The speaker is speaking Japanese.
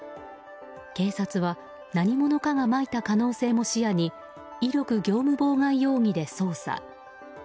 警察は何者かがまいた可能性も視野に威力業務妨害容疑で捜査。